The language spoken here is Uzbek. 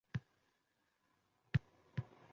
multfilm yoki kinolarda ko‘rgan bo‘lishi ham mumkin.